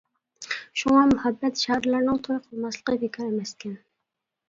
شۇڭا مۇھەببەت شائىرلارنىڭ توي قىلماسلىقى بىكار ئەمەسكەن.